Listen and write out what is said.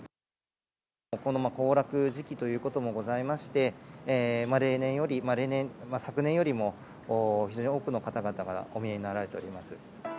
この行楽時期ということもございまして、例年より、昨年よりも多くの方々がお見えになられております。